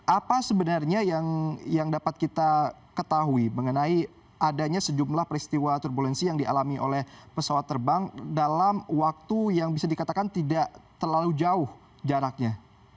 apa sebenarnya yang dapat kita ketahui mengenai adanya sejumlah peristiwa turbulensi yang dialami oleh pesawat terbang dalam waktu yang bisa dikatakan tidak terlalu jauh jaraknya